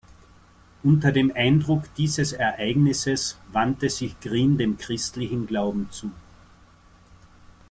Unter dem Eindruck dieses Ereignisses wandte sich Green dem christlichen Glauben zu.